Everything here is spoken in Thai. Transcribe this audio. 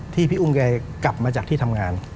พี่อุ้มแกกลับมาจากที่ทำงาน